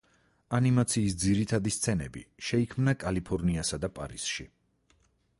ანიმაციის ძირითადი სცენები შეიქმნა კალიფორნიასა პარიზში.